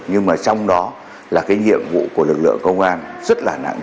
nhưng mà trong đó là cái nhiệm vụ của lực lượng công an rất là nặng